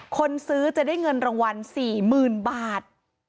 คนซื้อจะได้เงินรางวัล๔๐๐๐บาท